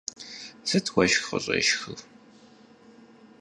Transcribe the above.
Сыт уэшх къыщӀешхыр?